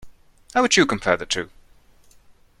How would you compare the two?